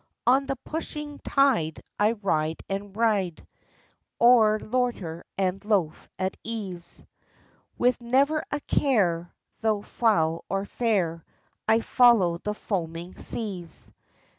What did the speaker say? On the pushing tide I ride and ride Or loiter and loaf at ease, With never a care, though foul or fair, I follow the foaming seas.